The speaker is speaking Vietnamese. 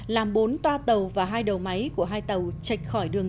làm bốn toa tàu và hai đầu máy của hai tàu chạch khỏi đường